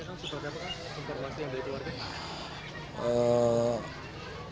bagaimana informasi yang dikeluarkan